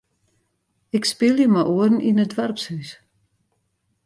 Ik spylje mei oaren yn it doarpshûs.